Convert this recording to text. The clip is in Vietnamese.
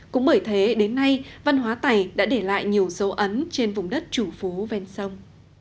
cũng bởi thế đến nay văn hóa tày đã để lại nhiều dấu ấn trên vùng đất chủ phú ven sông